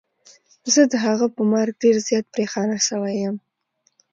زه د هغه په مرګ ډير زيات پريشانه سوی يم.